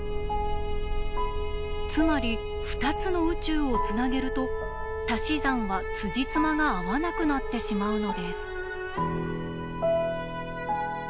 つまり２つの宇宙をつなげるとたし算はつじつまが合わなくなってしまうのです。